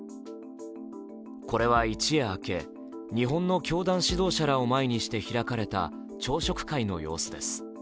これは一夜明け、日本の教団指導者らを前にして開かれた朝食会の様子です。